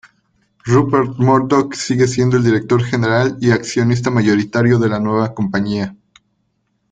Rupert Murdoch sigue siendo el director general y accionista mayoritario de la nueva compañía.